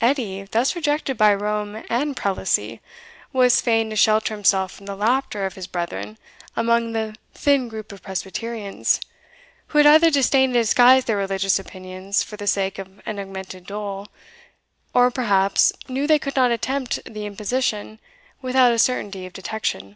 Edie, thus rejected by Rome and Prelacy, was fain to shelter himself from the laughter of his brethren among the thin group of Presbyterians, who had either disdained to disguise their religious opinions for the sake of an augmented dole, or perhaps knew they could not attempt the imposition without a certainty of detection.